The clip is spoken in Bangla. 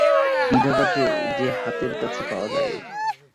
বিধাতাকে যে হাতের কাছে পাওয়া যায় না।